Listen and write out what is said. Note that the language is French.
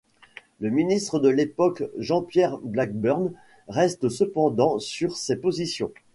Le ministre de l'époque, Jean-Pierre Blackburn, reste cependant sur ses positions.